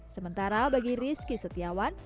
sementara bagi rizky setiawan